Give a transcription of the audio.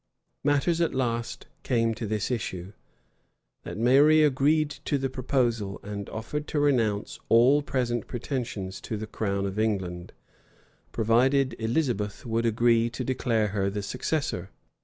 Matters at last came to this issue, that Mary agreed to the proposal, and offered to renounce all present pretensions to the crown of England, provided Elizabeth would agree to declare her the successor.